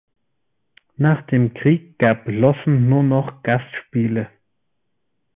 Nach dem Krieg gab Lossen nur noch Gastspiele.